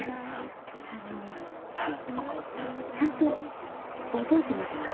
ちゃんと覚えてますか？